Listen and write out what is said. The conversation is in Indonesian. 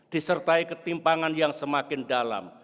disertai ketimpangan yang semakin dalam